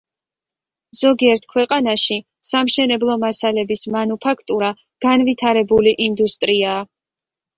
ზოგიერთ ქვეყანაში სამშენებლო მასალების მანუფაქტურა განვითარებული ინდუსტრიაა.